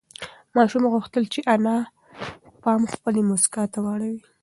ماشوم غوښتل چې د انا پام خپلې مسکا ته واړوي.